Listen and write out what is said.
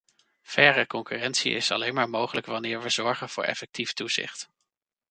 Faire concurrentie is alleen maar mogelijk wanneer we zorgen voor effectief toezicht.